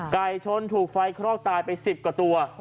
ไก่ชนถูกไฟคลอกตายไป๑๐กว่าตัว